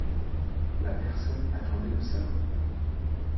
La personne attendait au salon.